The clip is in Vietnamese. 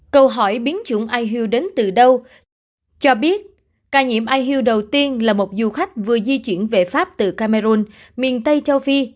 câu hỏi biến chủng ihu đến từ đâu cho biết ca nhiễm ihu đầu tiên là một du khách vừa di chuyển về pháp từ cameroon miền tây châu phi